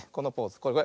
これこれ。